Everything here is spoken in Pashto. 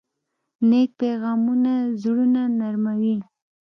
نیک پیغامونه زړونه نرموي.